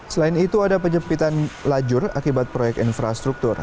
selain itu ada penyempitan lajur akibat proyek infrastruktur